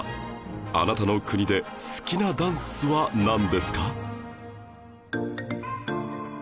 あなたの国で好きなダンスはなんですか？